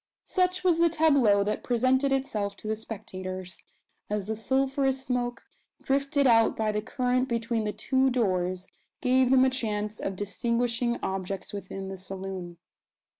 Such was the tableau that presented itself to the spectators, as the sulphurous smoke, drifted out by the current between the two doors, gave them a chance of distinguishing objects within the saloon.